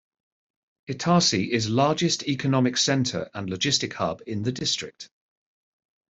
Itarsi is largest economic center and logistic hub in the district.